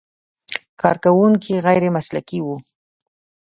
کارکوونکي غیر مسلکي و.